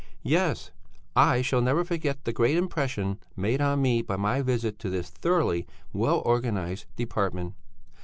"Yes. I shall never forget the great impression made on me by my visit to this thoroughly well organized department.